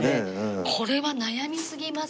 これは悩みすぎます